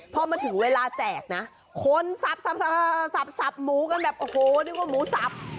พอมาถึงเวลาแจกนะคนสับสับหมูกันแบบโอ้โหเรียกว่าหมูสับ